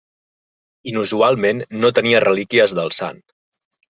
Inusualment, no tenia relíquies del sant.